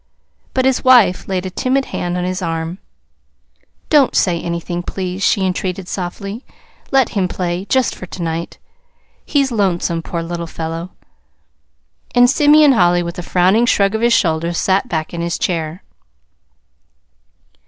But his wife laid a timid hand on his arm. "Don't say anything, please," she entreated softly. "Let him play, just for to night. He's lonesome poor little fellow." And Simeon Holly, with a frowning shrug of his shoulders, sat back in his chair.